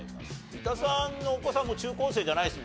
三田さんのお子さんも中高生じゃないですもんね？